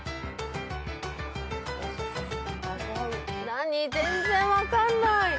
何全然分かんない。